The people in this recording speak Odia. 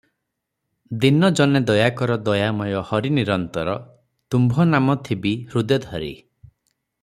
ଦୀନ ଜନେ ଦୟା କର ଦୟାମୟ ହରି ନିରନ୍ତର ତୁମ୍ଭ ନାମ ଥିବି ହୃଦେ ଧରି ।"